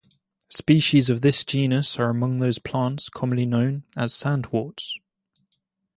Species of this genus are among those plants commonly known as "sandworts".